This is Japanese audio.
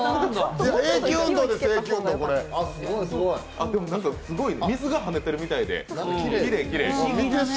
でもなんか水が跳ねてるみたいできれいきれい。